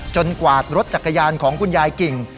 กวาดรถจักรยานของคุณยายกิ่ง